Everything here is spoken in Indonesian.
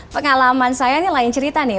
pengalaman saya ini lain cerita nih